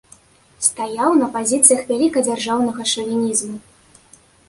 Стаяў на пазіцыях вялікадзяржаўнага шавінізму.